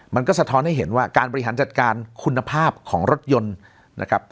มันก็สะท้อนให้เห็นว่าการบริหารจัดการคุณภาพของรถยนต์นะครับ